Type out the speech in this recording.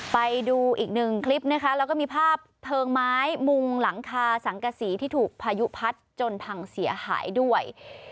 ไปดูอีกหนึ่งคลิปนะคะแล้วก็มีภาพเพลิงไม้มุงหลังคาสังกษีที่ถูกพายุพัดจนพังเสียหายด้วย